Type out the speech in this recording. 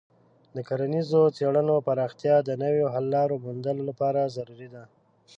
د کرنیزو څیړنو پراختیا د نویو حل لارو موندلو لپاره ضروري ده.